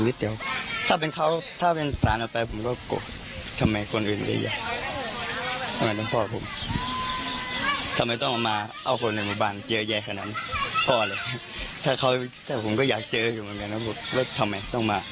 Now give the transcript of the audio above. คือที่ทีมข่าวของเราลงพื้นที่ไปวันนี้